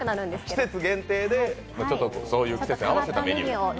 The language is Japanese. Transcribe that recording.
季節限定で、季節に合わせたメニューを。